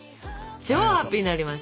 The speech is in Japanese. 超ハッピーになりました。